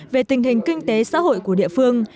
về tình hình kinh tế xã hội của địa phương